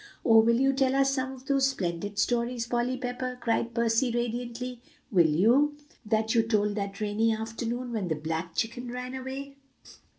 "Oh! will you tell us some of those splendid stories, Polly Pepper?" cried Percy radiantly. "Will you? that you told that rainy afternoon, when the black chicken ran away?"